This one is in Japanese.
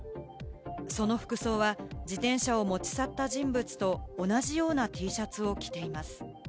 その服装は、自転車を持ち去った人物と同じようなＴシャツを着ています。